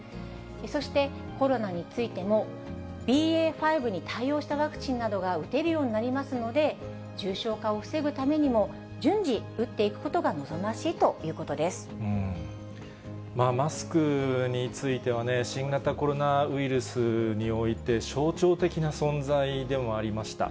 そしてコロナについても、ＢＡ．５に対応したワクチンなどが打てるようになりますので、重症化を防ぐためにも、順次、打っていくことが望ましいというマスクについてはね、新型コロナウイルスにおいて、象徴的な存在でもありました。